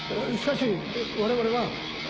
しかし我々は。